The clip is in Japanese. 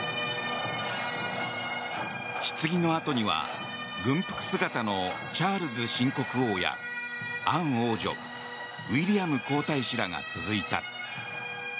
ひつぎの後には軍服姿のチャールズ新国王やアン王女、ウィリアム皇太子らが続いた。